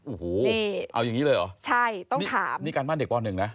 อู้หูเอาอย่างนี้เลยเหรอนี่การบ้านเด็กป่อ๑นะต้องถาม